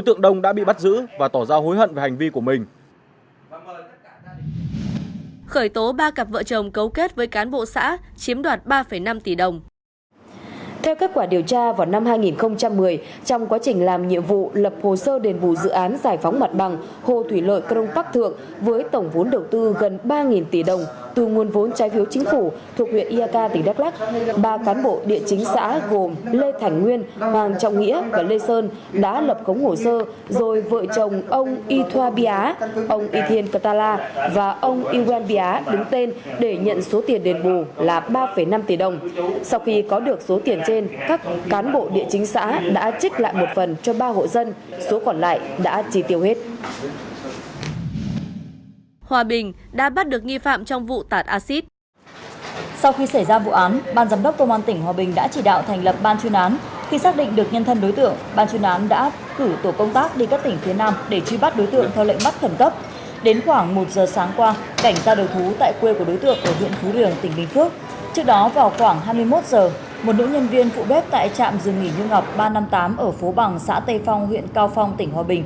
trước đó vào khoảng hai mươi một h một nữ nhân viên phụ bếp tại trạm dường nghỉ như ngọc ba trăm năm mươi tám ở phố bằng xã tây phong huyện cao phong tỉnh hòa bình